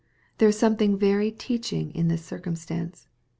There is something very teaching in this circumstance.